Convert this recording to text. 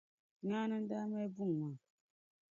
Ŋaani n-daa mali buŋa maa.